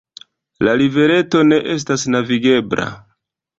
La rivereto ne estas navigebla.